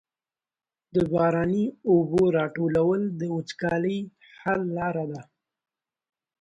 د باراني اوبو راټولول د وچکالۍ حل لاره ده.